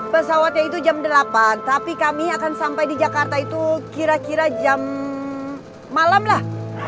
pesawatnya itu jam delapan tapi kami akan sampai di jakarta itu kira kira jam malam lah